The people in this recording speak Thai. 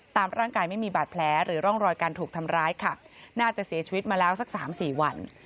ตามร่างกายไม่มีบาดแผลหรือร่องรอยการถูกทำร้ายค่ะน่าจะเสียชีวิตมาแล้วสักสามสี่วัน